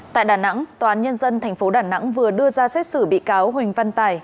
tại đà nẵng tòa án nhân dân tp đà nẵng vừa đưa ra xét xử bị cáo huỳnh văn tài